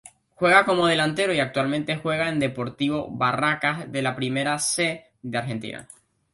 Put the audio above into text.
Juega como delantero y actualmente juega en Sportivo Barracas dela Primera C de Argentina.